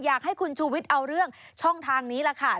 อยากให้คุณชูวิทย์เอาเรื่องช่องทางนี้ล่ะค่ะ